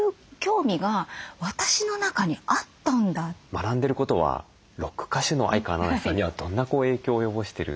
学んでることはロック歌手の相川七瀬さんにはどんな影響を及ぼしてる？